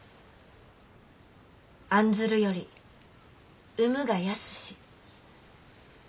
「案ずるより産むが易し」。